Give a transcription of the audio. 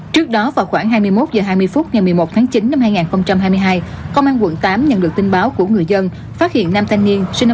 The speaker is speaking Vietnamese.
trước đó vào khoảng hai mươi một h hai mươi phút ngày một mươi một tháng chín năm hai nghìn hai mươi hai công an quận tám nhận được tin báo của người dân phát hiện nam thanh niên sinh năm một nghìn chín trăm tám